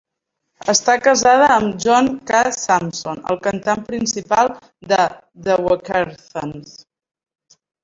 Està casada amb John K. Samson, el cantant principal de The Weakerthans.